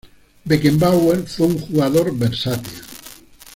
Beckenbauer fue un jugador versátil.